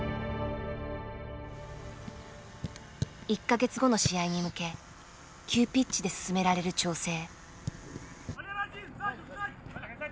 １か月後の試合に向け急ピッチで進められる調整。